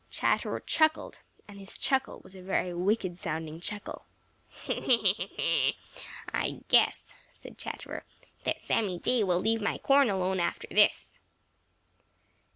Chatterer chuckled, and his chuckle was a very wicked sounding chuckle. "I guess," said Chatterer, "that Sammy Jay will leave my corn alone after this."